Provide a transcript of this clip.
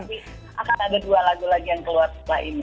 nanti akan ada dua lagu lagi yang keluar setelah ini